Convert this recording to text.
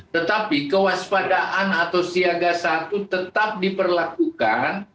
tetapi kewaspadaan atau siaga satu tetap diperlakukan